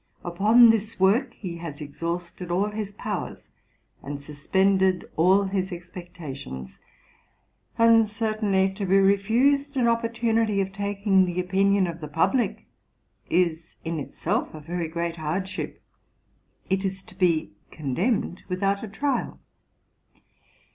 Upon this work he has exhausted all his powers, and suspended all his expectations: and, certainly, to be refused an opportunity of taking the opinion of the publick, is in itself a very great hardship. It is to be condemned without a trial.